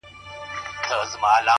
علم د بریا بنسټیز شرط دی،